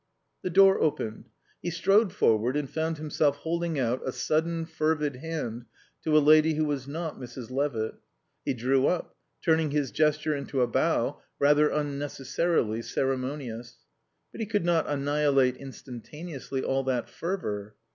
The door opened. He strode forward and found himself holding out a sudden, fervid hand to a lady who was not Mrs. Levitt. He drew up, turning his gesture into a bow, rather unnecessarily ceremonious; but he could not annihilate instantaneously all that fervour.